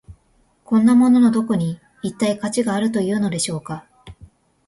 こんなもののどこに、一体価値があるというのでしょうか。